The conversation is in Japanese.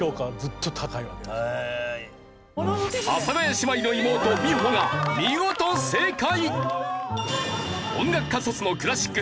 阿佐ヶ谷姉妹の妹美穂が見事正解！